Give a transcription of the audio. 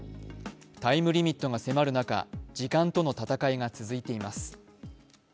タイムリミットが迫る中、時間との戦いが続いています。